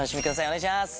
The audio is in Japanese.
お願いします。